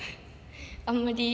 あんまり。